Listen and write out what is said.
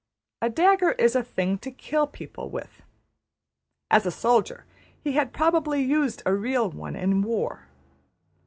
A dagger is a thing to kill people with. As a soldier, he had probably used a real one in war.